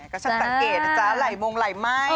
ก็ฉันสังเกตอ่ะจ๊ะไหลมงไหลไหม้